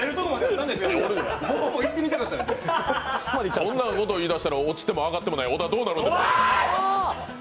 そんなこと言い出したら落ちても上がってもない小田はどうなる。